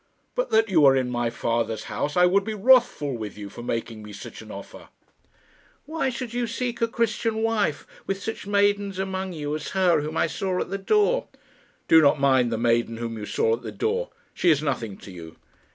But that you are in my father's house, I would be wrathful with you for making me such an offer." "Why should you seek a Christian wife, with such maidens among you as her whom I saw at the door?" "Do not mind the maiden whom you saw at the door. She is nothing to you."